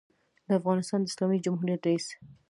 دافغانستان د اسلامي جمهوریت رئیس